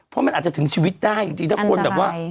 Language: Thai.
เพราะมันอาจจะถึงชีวิตได้จริงถ้าคนแบบว่า